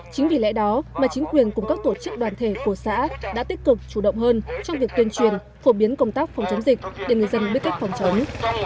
chính vì lẽ đó mà chính quyền cùng các tổ chức đoàn thể của xã đã tích cực chủ động hơn trong việc tuyên truyền phổ biến công tác phòng chống dịch để người dân biết cách phòng chống